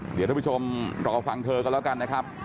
เดี๋ยวท่านผู้ชมรอฟังเธอกันแล้วกันนะครับ